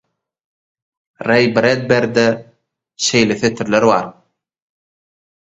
Reý Bredberide şeýle setirler bar